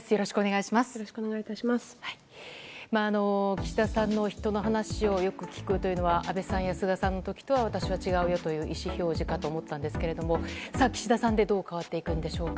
岸田さんの人の話をよく聞くというのは安倍さんや菅さんの時とは私は違うという意思表示かと思ったんですが岸田さんでどう変わっていくのでしょうか。